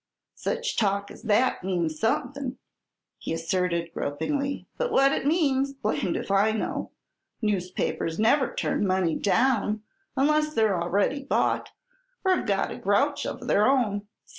"Such talk as that means somethin'," he asserted, gropingly, "but what it means, blamed if I know! Newspapers never turn money down unless they're a'ready bought, or have got a grouch of their own....